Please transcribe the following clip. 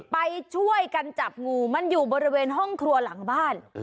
ไปช่วยกันจับงูมันอยู่บริเวณห้องครัวหลังบ้าน